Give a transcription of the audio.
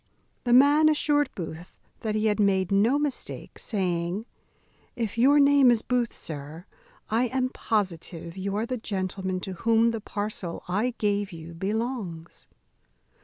The man assured Booth that he had made no mistake; saying, "If your name is Booth, sir, I am positive you are the gentleman to whom the parcel I gave you belongs."